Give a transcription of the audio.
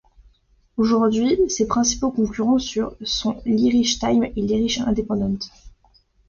Aujourd’hui ses principaux concurrents sont l’Irish Times et l’Irish Independent.